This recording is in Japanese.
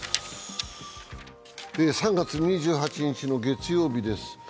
３月２８日の月曜日です。